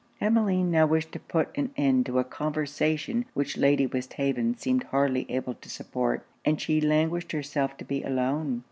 Emmeline now wished to put an end to a conversation which Lady Westhaven seemed hardly able to support; and she languished herself to be alone.